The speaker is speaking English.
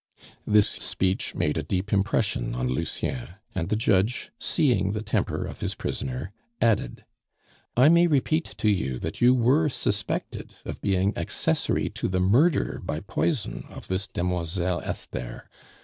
'" This speech made a deep impression on Lucien; and the judge, seeing the temper of his prisoner, added: "I may repeat to you that you were suspected of being accessory to the murder by poison of this Demoiselle Esther.